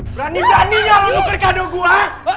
berani beraninya nuker kado gua